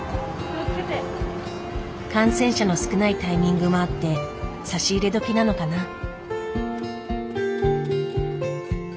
感染者の少ないタイミングもあって差し入れどきなのかな。